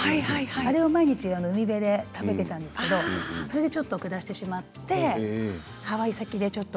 あれを毎日、海辺で食べていたんですけどそれでちょっと下してしまってハワイ先でちょっと。